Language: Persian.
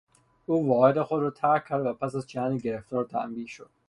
او واحد خود را ترک کرد و پس از چندی گرفتار و تنبیه شد.